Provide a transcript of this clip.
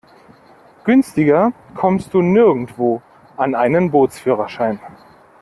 Günstiger kommst du nirgendwo an einen Bootsführerschein.